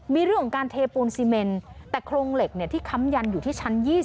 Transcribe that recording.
มีเรื่องของการเทปูนซีเมนแต่โครงเหล็กที่ค้ำยันอยู่ที่ชั้น๒๐